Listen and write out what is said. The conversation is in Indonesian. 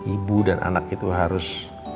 ibu dan anak itu harus